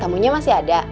kemampuan nya masih ada